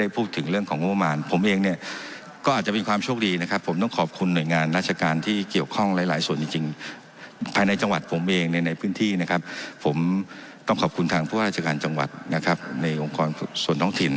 ผู้ว่าราชการจังหวัดนะครับในองค์กรส่วนท้องถิ่น